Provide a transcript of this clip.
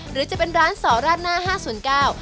หรือจะเป็นร้านสราดนา๕๐๙